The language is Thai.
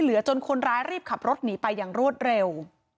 จนคนร้ายรีบขับรถหนีไปอย่างรวดเร็ว